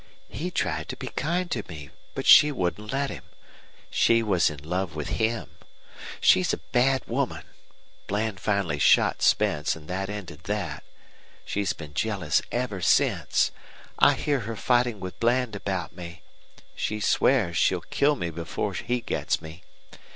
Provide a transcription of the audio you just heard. He tried to be kind to me. But she wouldn't let him. She was in love with him. She's a bad woman. Bland finally shot Spence, and that ended that. She's been jealous ever since. I hear her fighting with Bland about me. She swears she'll kill me before he gets me.